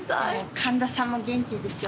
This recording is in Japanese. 神田さんも元気でしょ？